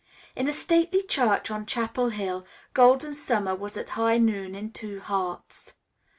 In a stately church on Chapel Hill, Golden Summer was at high noon in two hearts.